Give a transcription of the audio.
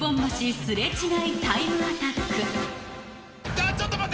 あぁちょっと待って！